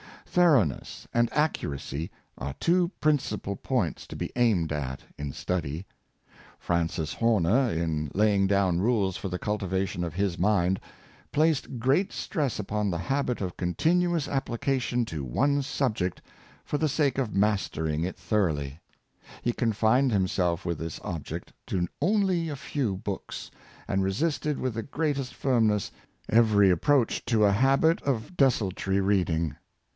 Thoroughness and accuracy are two principal points to be aimed at in study. Francis Horner, in laying down rules for the cultivation of his mind, placed great stress upon the habit of continuous application to one subject for the sake of mastering it thoroughly ; he con fined himself with this object to only a few books, and resisted with the greatest firmness " every approach to a habit of desultory reading."